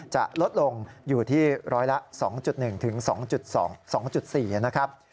จะลดลงอยู่ที่ร้อยละ๒๑๒๔นะครับ